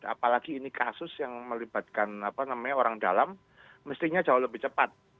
apalagi ini kasus yang melibatkan orang dalam mestinya jauh lebih cepat